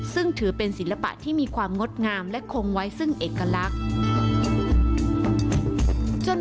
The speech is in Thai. ซึ่งถือเป็นศิลปะที่มีความงดงามและคงไว้ซึ่งเอกลักษณ์